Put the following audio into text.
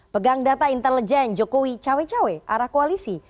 pegang data intelijen jokowi cawe cawe arah koalisi